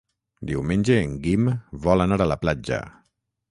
Diumenge en Guim vol anar a la platja.